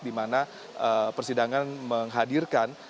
di mana persidangan menghadirkan